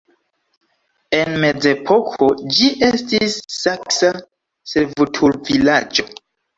En mezepoko ĝi estis saksa servutulvilaĝo.